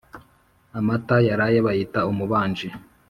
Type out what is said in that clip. Amata yaraye bayita umubanji